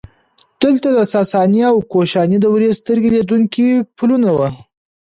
دلته د ساساني او کوشاني دورې سترګې لیدونکي پلونه وو